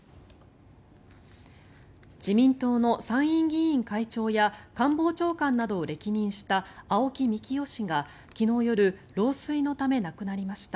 自民党の参院議員会長や官房長官などを歴任した青木幹雄氏が昨日夜老衰のため亡くなりました。